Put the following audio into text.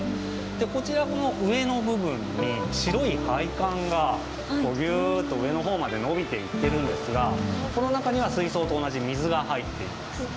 こちら上の部分に白い配管がギュッと上のほうまで伸びていってるんですがこの中には水槽と同じ水が入っています。